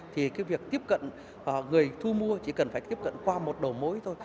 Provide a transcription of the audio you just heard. thì cái việc tiếp cận người thu mua chỉ cần phải tiếp cận qua một đầu mối thôi